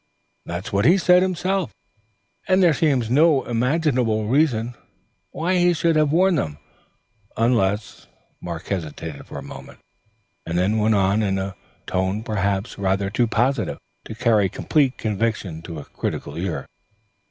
"That's what he said himself, and there seems no imaginable reason why he should have worn them, unless " Mark hesitated for a moment, and then went on in a tone perhaps rather too positive to carry complete conviction to a critical ear.